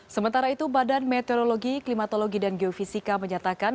sementara itu badan meteorologi klimatologi dan geofisika menyatakan